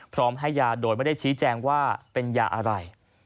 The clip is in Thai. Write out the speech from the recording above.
พร้อมให้ยาโดยไม่ได้ชี้แจงว่าเป็นยาอะไร